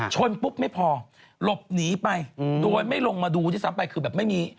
ชนปุ๊บไม่พอหลบหนีไปโดยไม่ลงมาดูที่สามไป